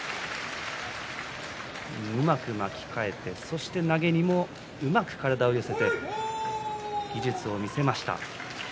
うまく巻き替えて、そして投げにもうまく体を寄せて技術を見せました。